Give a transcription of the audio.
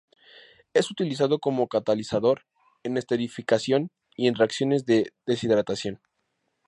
Es utilizado como catalizador en esterificación y en reacciones de deshidratación.